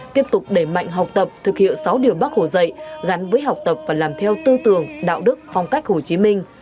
tiếp tục đẩy mạnh học tập thực hiệu sáu điều bác hồ dạy gắn với học tập và làm theo tư tưởng đạo đức phong cách hồ chí minh